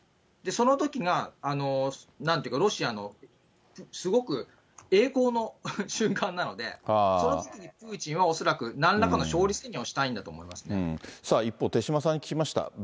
そのときがなんというかロシアのすごく栄光の瞬間なので、そのときにプーチンは恐らくなんらかの勝利宣言をしたいんだと思さあ、一方、手嶋さんに聞きました。